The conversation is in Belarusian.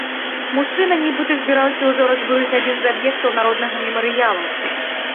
Мужчына, нібыта, збіраўся ўжо разбурыць адзін з аб'ектаў народнага мемарыялу.